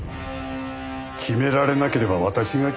決められなければ私が決めよう。